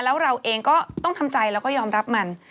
แล้วเราเองก็ต้องทำใจแล้วก็ยอมรับมัน